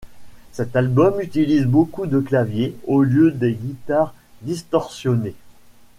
Cet album utilise beaucoup de claviers au lieu des guitares distortionnées.